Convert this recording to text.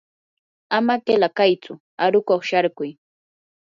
ama qila kaytsu aruqkuq sharkuy.